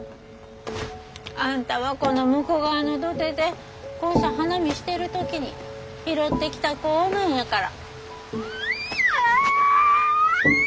あんたはこの武庫川の土手でこうして花見してる時に拾ってきた子なんやから。